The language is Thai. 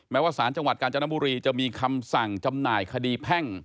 ว่าสารจังหวัดกาญจนบุรีจะมีคำสั่งจำหน่ายคดีแพ่ง